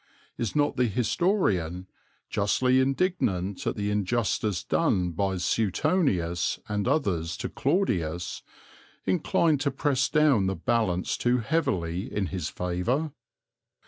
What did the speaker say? Is not the historian, justly indignant at the injustice done by Suetonius and others to Claudius, inclined to press down the balance too heavily in his favour?